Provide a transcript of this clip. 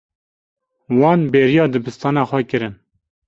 Wan bêriya dibistana xwe kirin.